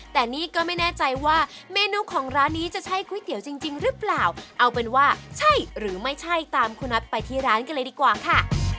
แต่นี่ก็ไม่แน่ใจว่าเมนูของร้านนี้จะใช่ก๋วยเตี๋ยวจริงหรือเปล่าเอาเป็นว่าใช่หรือไม่ใช่ตามคุณน็อตไปที่ร้านกันเลยดีกว่าค่ะ